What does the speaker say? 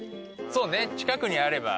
そうね近くにあれば。